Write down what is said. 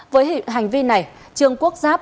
với hành vi này trương quốc giáp